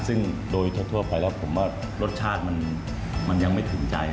ซึ่งโดยทั่วไปแล้วผมว่ารสชาติมันยังไม่ถึงใจ